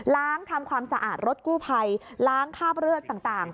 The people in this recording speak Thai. ทำความสะอาดรถกู้ภัยล้างคาบเลือดต่าง